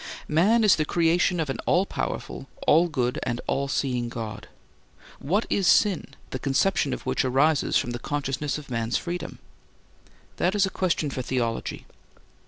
Man is the creation of an all powerful, all good, and all seeing God. What is sin, the conception of which arises from the consciousness of man's freedom? That is a question for theology.